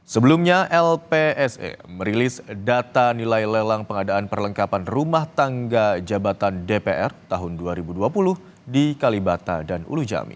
sebelumnya lpse merilis data nilai lelang pengadaan perlengkapan rumah tangga jabatan dpr tahun dua ribu dua puluh di kalibata dan ulu jami